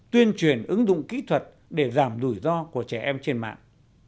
tuyên truyền ứng dụng kỹ thuật để giảm rủi ro của trẻ em trên mạng